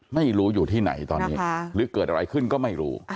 อยู่ที่ไหนตอนนี้หรือเกิดอะไรขึ้นก็ไม่รู้